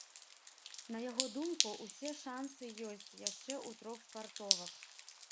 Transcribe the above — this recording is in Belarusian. На яго думку, усе шанцы ёсць яшчэ ў трох спартовак.